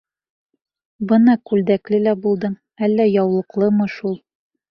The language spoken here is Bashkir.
— Бына күлдәкле лә булдың, әллә яулыҡлымы шул!